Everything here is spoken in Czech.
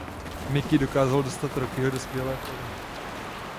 Mickey dokázal dostat Rockyho do skvělé formy.